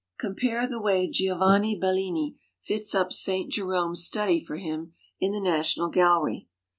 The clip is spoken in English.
Compare the way Giovanni Bellini fits up St. Jerome's study for him in the National Gallery.